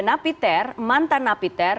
napi ter mantan napi ter